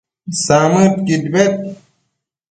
samëdquid bed